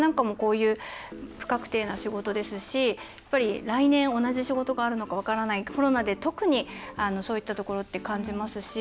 私でも不確定な仕事ですし、来年同じ仕事があるのか分からないコロナで特にそういったところって感じますし。